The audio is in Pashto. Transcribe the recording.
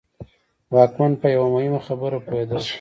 واکمن په یوه مهمه خبره پوهېدل.